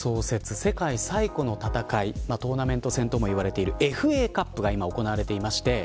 世界最古の戦いトーナメント戦とも言われているＦＡカップが今行われています。